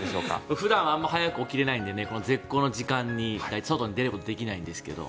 普段はあまり早く起きれないので絶好の時間の外に出ることはできないんですが。